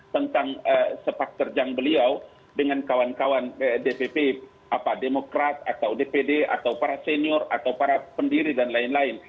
tentang sepak terjang beliau dengan kawan kawan dpp demokrat atau dpd atau para senior atau para pendiri dan lain lain